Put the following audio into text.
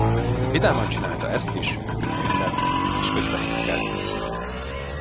Vidáman csinálta ezt is, mint mindent, és közben énekelt.